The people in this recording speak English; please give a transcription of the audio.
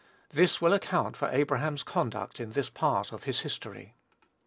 This will account for Abraham's conduct in this part of his history.